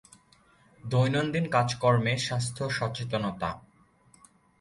দৈনন্দিন কাজ কর্মে স্বাস্থ্য সচেতনতা।